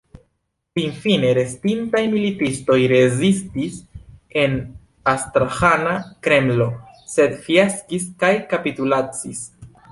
Finfine restintaj militistoj rezistis en Astraĥana Kremlo, sed fiaskis kaj kapitulacis.